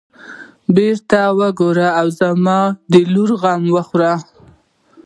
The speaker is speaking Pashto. بيړه وکړئ او د زما د لور غم وخورئ.